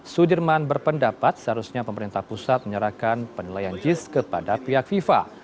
sudirman berpendapat seharusnya pemerintah pusat menyerahkan penilaian jis kepada pihak fifa